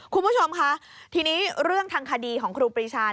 คุณผู้ชมค่ะทีนี้เรื่องทางคดีของครูปรีชา